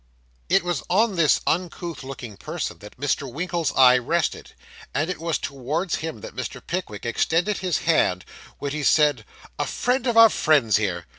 It was on this uncouth looking person that Mr. Winkle's eye rested, and it was towards him that Mr. Pickwick extended his hand when he said, 'A friend of our friend's here.